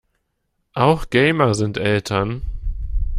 Auch Gamer sind Eltern.